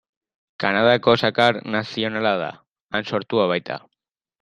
Kanadako sagar nazionala da, han sortua baita.